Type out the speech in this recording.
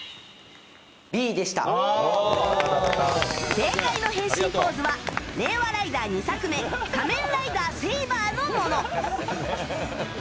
正解の変身ポーズは令和ライダー２作目「仮面ライダーセイバー」のもの。